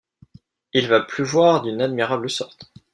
Il va pleuvoir d’une admirable sorte.